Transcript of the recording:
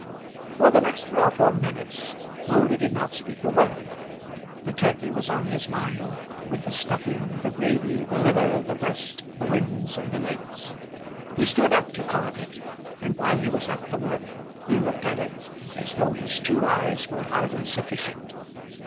For the next three or four minutes Moulder did not speak a word. The turkey was on his mind, with the stuffing, the gravy, the liver, the breast, the wings, and the legs. He stood up to carve it, and while he was at the work he looked at it as though his two eyes were hardly sufficient.